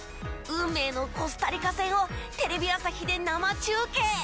運命のコスタリカ戦をテレビ朝日で生中継！